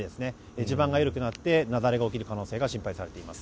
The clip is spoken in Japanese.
地盤が緩くなって雪崩が起きる危険性が心配されています。